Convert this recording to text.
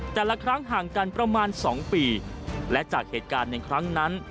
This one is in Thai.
แต่ละครั้งห่างกันประมาณสองปีและจากเหตุการณ์ในครั้งนั้น